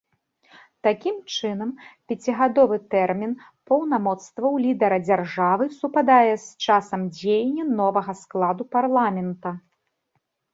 Такім чынам, пяцігадовы тэрмін паўнамоцтваў лідара дзяржавы супадае з часам дзеяння новага складу парламента.